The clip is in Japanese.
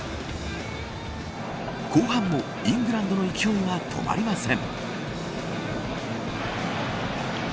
後半もイングランドの勢いは止まりません。